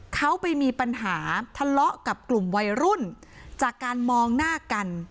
เขาไปมีปัญหาทะเลาะกับกลุ่มวัยรุ่นจากการมองหน้ากัน